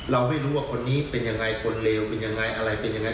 เราไม่รู้ว่าคนนี้เป็นยังไงคนเลวเป็นยังไงอะไรเป็นยังไง